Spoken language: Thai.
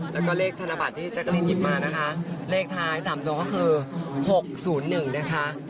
แล้วก็เลขธนบัตรที่แจ๊กรีนหยิบมานะคะเลขท้าย๓ตัวก็คือ๖๐๑นะคะ